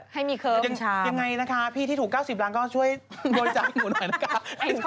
ให้มีเคิมชามยังไงนะคะพี่ที่ถูก๙๐ล้างก็ช่วยโดยจ่ายหนูหน่อยนะคะ